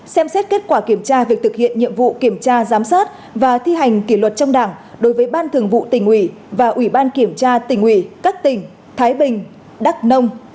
xem xét kết quả kiểm tra việc thực hiện nhiệm vụ kiểm tra giám sát và thi hành kỷ luật trong đảng đối với ban thường vụ tỉnh ủy và ủy ban kiểm tra tỉnh ủy các tỉnh thái bình đắk nông